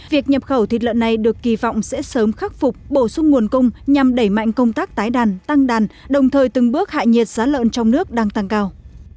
việc nhập khẩu thịt lợn này được kỳ vọng sẽ sớm khắc phục bổ sung nguồn cung nhằm đẩy mạnh công tác tái đàn tăng đàn đồng thời từng bước hại nhiệt giá lợn trong nước đang tăng cao